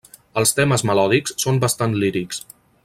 Els temes melòdics són bastant lírics.